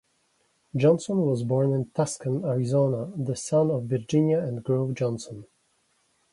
Johnson was born in Tucson, Arizona, the son of Virginia and Grove Johnson.